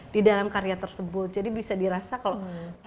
di dalam karya tersebut jadi bisa dirasa kalau